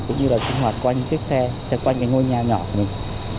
cũng như là chung hoạt quanh chiếc xe chẳng quanh cái ngôi nhà nhỏ của mình